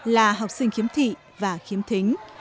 là học sinh khiếm thị và khiếm thính